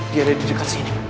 dia ada di dekat sini